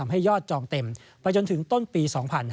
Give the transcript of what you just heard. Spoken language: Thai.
ให้ยอดจองเต็มไปจนถึงต้นปี๒๕๕๙